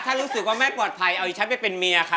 ถ้ารู้สึกว่าแม่ปลอดภัยเอาฉันไปเป็นเมียค่ะ